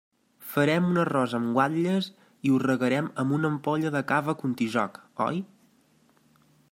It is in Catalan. Farem un arròs amb guatlles i ho regarem amb una ampolla de cava Contijoch, oi?